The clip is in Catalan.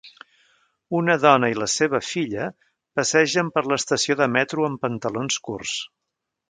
Una dona i la seva filla passegen per l'estació de metro amb pantalons curts